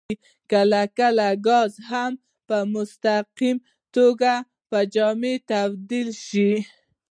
کله کله ګاز هم په مستقیمه توګه په جامد تبدیل شي.